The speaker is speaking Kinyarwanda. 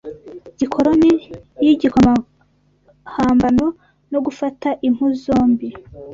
gikoloni w’iyigamokomahambano no gufata impu zombi